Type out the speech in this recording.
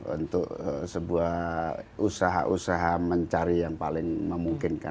untuk sebuah usaha usaha mencari yang paling memungkinkan